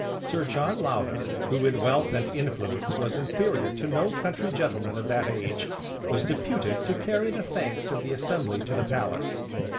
Sir John Lowther, who in wealth and influence was inferior to no country gentleman of that age, was deputed to carry the thanks of the assembly to the palace.